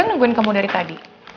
nungguin kamu dari tadi